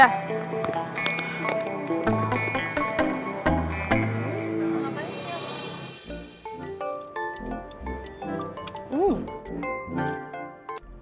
oh sama banget ya